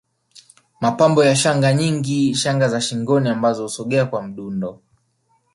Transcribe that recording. Mapambo ya shanga nyingi shanga za shingoni ambazo husogea kwa mdundo